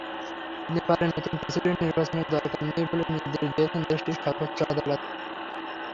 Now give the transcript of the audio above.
নেপালে নতুন প্রেসিডেন্ট নির্বাচনের দরকার নেই বলে নির্দেশ দিয়েছেন দেশটির সর্বোচ্চ আদালত।